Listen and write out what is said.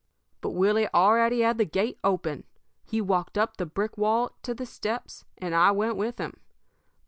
"But Willie already had the gate open. He walked up the brick walk to the steps, and I went with him.